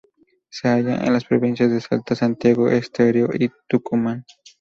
Se halla en las provincias de Salta, Santiago del Estero y Tucumán.